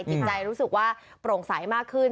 จิตใจรู้สึกว่าโปร่งใสมากขึ้น